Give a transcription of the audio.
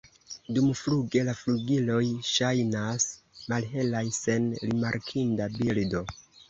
Dumfluge la flugiloj ŝajnas malhelaj, sen rimarkinda bildo.